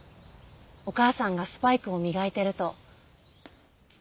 お母さんがスパイクを磨いてると。